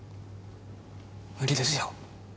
無理ですよ。